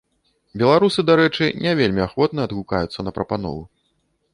Беларусы, дарэчы, не вельмі ахвотна адгукаюцца на прапанову.